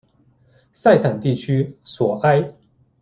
塞坦地区索埃。